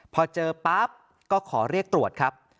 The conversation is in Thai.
พอเจอปั๊บก็ขอเรียกตรวจครับ